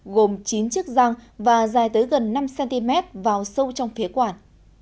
gồm chín chiếc răng và dài tới gần năm cm vào sâu trong phía quản